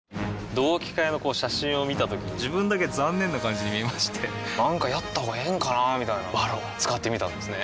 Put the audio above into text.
同期会の写真を見たときに自分だけ残念な感じに見えましてなんかやったほうがええんかなーみたいな「ＶＡＲＯＮ」使ってみたんですね